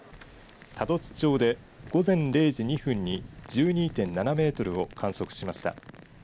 多度津町で午前０時２分に１２．７メートルを観測しました。